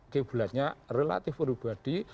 kiblatnya relatif pribadi